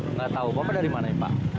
nggak tahu bapak dari mana ini pak